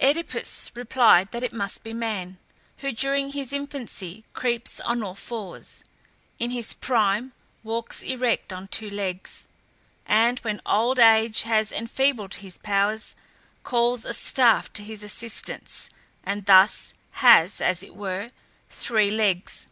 Oedipus replied, that it must be man, who during his infancy creeps on all fours, in his prime walks erect on two legs, and when old age has enfeebled his powers, calls a staff to his assistance, and thus has, as it were, three legs.